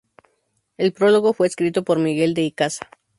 El prólogo fue escrito por Miguel de Icaza.